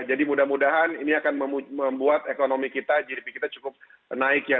jadi mudah mudahan ini akan membuat ekonomi kita cukup naik ya